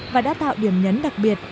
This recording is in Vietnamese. và đã tạo điểm nhấn đặc biệt